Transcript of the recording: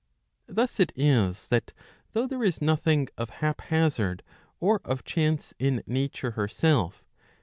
* Thus it is that though there is nothing of hap hazard or of chance in Nature herself.